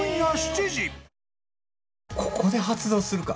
ここで発動するか？